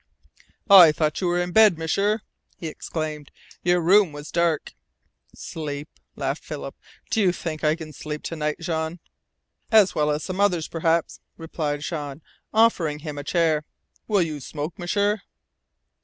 "I thought you were in bed, M'sieur," he exclaimed. "Your room was dark." "Sleep?" laughed Philip. "Do you think that I can sleep to night, Jean?" "As well as some others, perhaps," replied Jean, offering him a chair. "Will you smoke, M'sieur?"